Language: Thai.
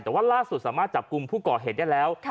แต่ว่าล่าสุดสามารถจับกลุ่มผู้ก่อเหตุได้แล้ว